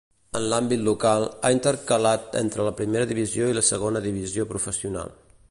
En l'àmbit local, ha intercalat entre la Primera Divisió i la Segona Divisió Professional.